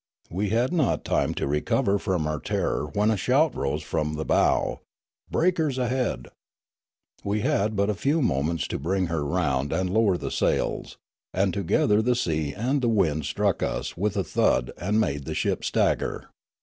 We had not time to re cover from our terror when a shout rose from the bow, " Breakers ahead." We had but a few moments to bring her round and lower the sails, and together the sea and the wind struck us with a thud and made the ship stagger.